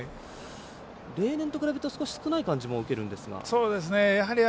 例年と比べると少し少ない印象を受けるんですが。